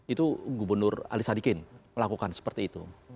itu gubernur ali sadikin melakukan seperti itu